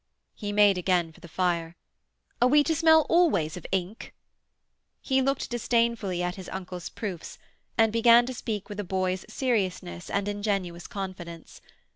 He made again for the fire. 'Are we to smell always of ink?' He looked disdainfully at his uncle's proofs, and began to speak with a boy's seriousness and ingenuous confidence.